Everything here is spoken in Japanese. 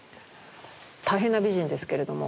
大変な美人ですけれども。